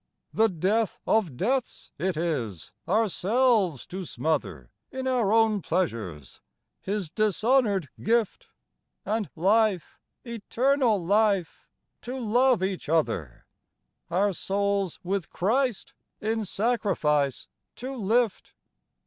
The death of deaths it is, ourselves to smother In our own pleasures, His dishonored gift ; And life — eternal life — to love each other ; Our souls with Christ in sacrifice to lift.